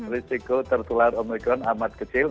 risiko tertular omikron amat kecil